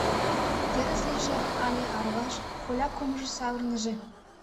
Терыс лийже але арваш, коля кумыжыш савырныже.